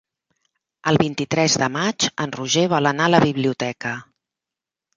El vint-i-tres de maig en Roger vol anar a la biblioteca.